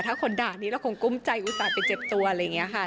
ถ้าคนด่านี้เราคงกุ้มใจอุตส่าห์ไปเจ็บตัวอะไรอย่างนี้ค่ะ